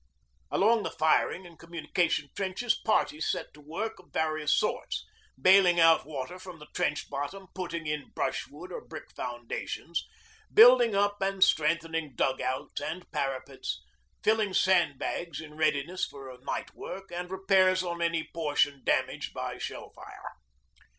Along the firing and communication trenches parties set to work of various sorts, bailing out water from the trench bottom, putting in brushwood or brick foundations, building up and strengthening dug outs and parapets, filling sandbags in readiness for night work and repairs on any portion damaged by shell fire.